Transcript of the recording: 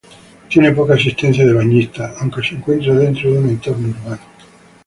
Tiene poca asistencia de bañistas, aunque se encuentra dentro de un entorno urbano.